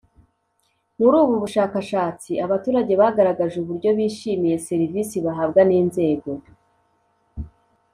Muri ubu bushakashatsi abaturage bagaragaje uburyo bishimiye serivisi bahabwa n inzego